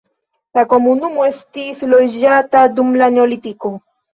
La komunumo estis loĝata dum la neolitiko.